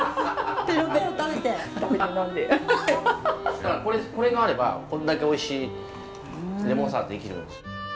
だからこれがあればこんだけおいしいレモンサワーできるんです。